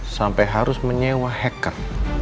sampai harus menyewa hacker